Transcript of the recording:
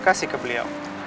terima kasih ke beliau